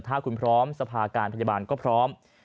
ถ้าคุณพร้อมสภาการพยาบาลก็พร้อม